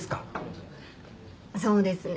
そうですね。